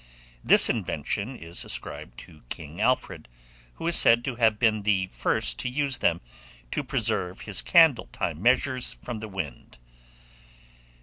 This invention is ascribed to King Alfred, who is said to have been the first to use them to preserve his candle time measures from the wind.